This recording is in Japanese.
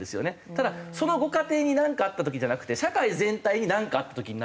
ただそのご家庭になんかあった時じゃなくて社会全体になんかあった時になっていて。